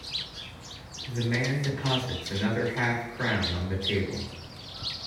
The man deposits another half-crown on the table.